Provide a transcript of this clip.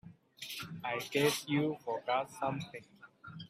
I guess you forgot something.